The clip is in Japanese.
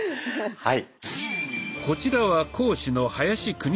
はい。